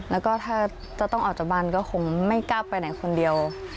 แล้วก็ถ้าจะต้องออกจากบ้านก็คงไม่กล้าไปไหนคนเดียว